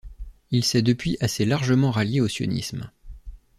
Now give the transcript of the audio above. Il s'est depuis assez largement rallié au sionisme.